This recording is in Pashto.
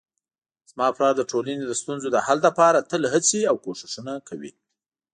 زما پلار د ټولنې د ستونزو د حل لپاره تل هڅې او کوښښونه کوي